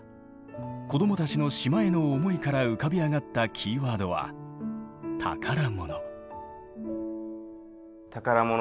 子どもたちの島への思いから浮かび上がったキーワードは「宝物」。